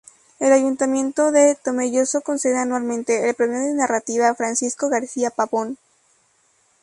El Ayuntamiento de Tomelloso concede anualmente el "Premio de Narrativa Francisco García Pavón".